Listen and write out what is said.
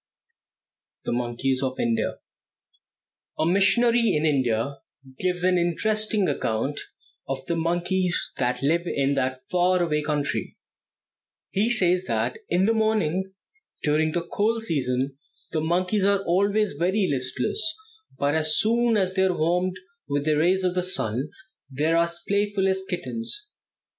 THE MONKEYS OF INDIA. A missionary in India gives an interesting account of the monkeys that live in that far away country. He says that in the morning, during the cold season, the monkeys are always very listless, but as soon as they are warmed with the rays of the sun, they are as playful as kittens.